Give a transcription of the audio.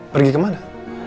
pergi ke mana